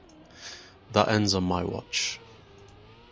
That ends on my watch.